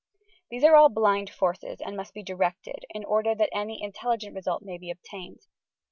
These are all blind forces and must be directed, in order that any in telligent result may be obtained.